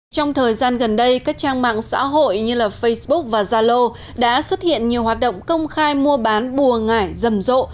trong thời gian gần đây các trang mạng xã hội như facebook và zalo đã xuất hiện nhiều hoạt động công khai mua bán bùa ngải rầm rộ